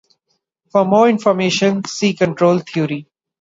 For more information, see control theory.